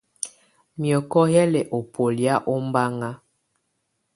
Miɔkɔ yɛ lɛ ɔ bɔlɛ̀á ɔmbaŋa.